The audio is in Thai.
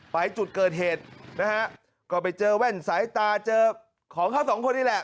ไปจุดเกิดเหตุนะฮะก็ไปเจอแว่นสายตาเจอของเขาสองคนนี่แหละ